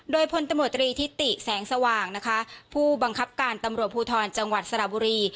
โดยพลตำรวจตรีทิติแสงสว่างนะคะผู้บังคับการตำรวจภูทรจังหวัดสระบุรี